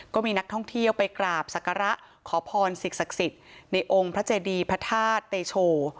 ก็มีนักท่องเที่ยวไปกราบศักระขอพรสิ่งศักดิ์สิทธิ์ในองค์พระเจดีพระธาตุเตโช